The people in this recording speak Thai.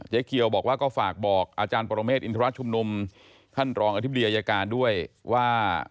เขียวบอกว่าก็ฝากบอกอาจารย์ปรเมฆอินทรชุมนุมท่านรองอธิบดีอายการด้วยว่า